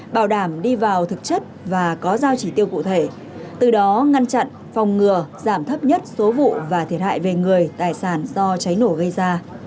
bảo đảm đi vào thực chất và có giao chỉ tiêu cụ thể từ đó ngăn chặn phòng ngừa giảm thấp nhất số vụ và thiệt hại về người tài sản do cháy nổ gây ra